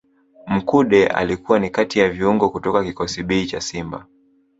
Mkude alikuwa ni kati ya viungo kutoka kikosi B cha Simba